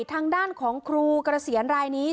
ทางด้านของครูกระเสียรายนี้